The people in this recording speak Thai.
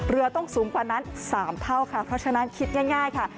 เรือต้องสูงกว่านั้น๓เท่าค่ะเพราะฉะนั้นคิดง่ายค่ะ